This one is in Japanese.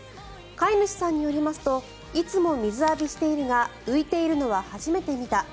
飼い主さんによりますといつも水浴びしているが浮いているのは初めて見た。